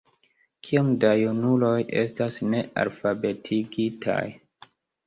Kiom da junuloj estas nealfabetigitaj?